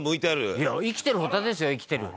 「いや生きてるホタテですよ生きてる」